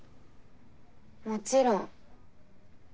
もちろん。